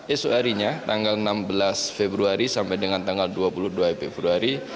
esok harinya tanggal enam belas februari sampai dengan tanggal dua puluh dua februari